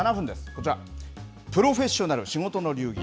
こちら、プロフェッショナル仕事の流儀。